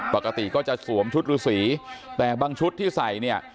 ปกติก็จะสวมชุดฤษีแต่บางชุดที่ใส่เนี่ย